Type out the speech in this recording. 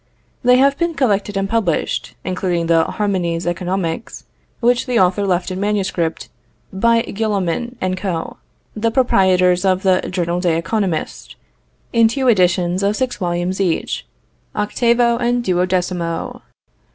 They have been collected and published (including the Harmonies Economiques, which the author left in manuscript) by Guillaumin & Co., the proprietors of the Journal des Economistes, in two editions of six volumes each, 8vo. and 12mo.